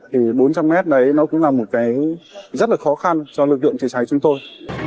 thì bốn trăm linh mét đấy nó cũng là một cái rất là khó khăn cho lực lượng chữa cháy chúng tôi